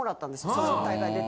その大会出て。